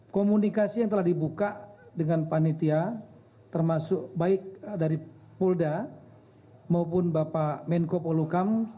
komunikasi yang telah dibuka dengan panitia termasuk baik dari polda maupun bapak menko polukam